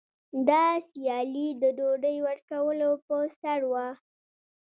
دا سیالي د ډوډۍ ورکولو په سر وه.